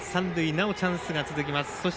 なお、チャンスが続きます。